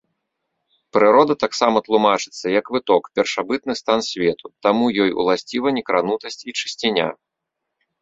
Прырода таксама тлумачыцца як выток, першабытны стан свету, таму ёй уласціва некранутасць і чысціня.